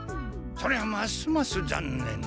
そりゃますますざんねん。